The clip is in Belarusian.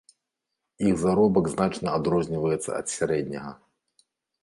Іх заробак значна адрозніваецца ад сярэдняга.